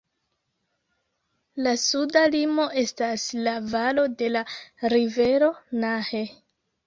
La suda limo estas la valo dela rivero Nahe.